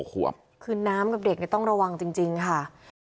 ขวบคือน้ำกับเด็กเนี่ยต้องระวังจริงค่ะ